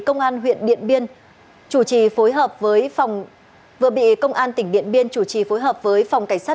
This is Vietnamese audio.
công an huyện điện biên vừa bị công an tỉnh điện biên chủ trì phối hợp với phòng cảnh sát